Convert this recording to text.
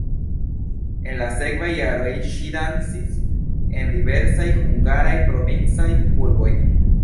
En la sekvaj jaroj ŝi dancis en diversaj hungaraj provincaj urboj.